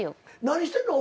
何してんの？